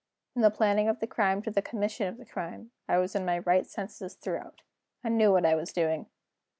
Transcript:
"From the planning of the crime to the commission of the crime, I was in my right senses throughout. I knew what I was doing."